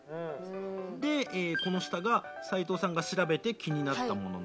でこの下が齊藤さんが調べて気になったものなんですが。